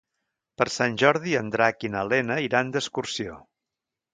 Per Sant Jordi en Drac i na Lena iran d'excursió.